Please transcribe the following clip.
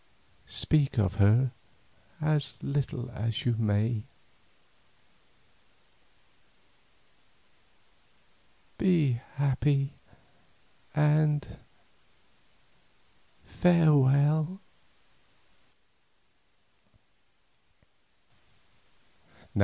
Speak of me to her as little as you may—be happy and—farewell!"